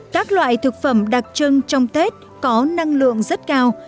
các loại thực phẩm đặc trưng trong tết có năng lượng rất cao